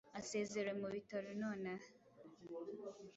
asezerewe mu bitaro nonaha